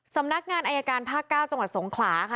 สำนักงานอายการภาค๙จังหวัดสงขลาค่ะ